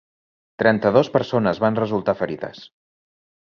Trenta-dos persones van resultar ferides.